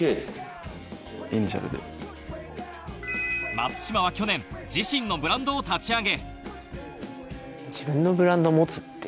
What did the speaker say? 松島は去年、自身のブランドを立ち上げ。